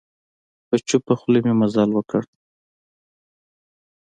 په چوپه خوله مي مزل وکړ .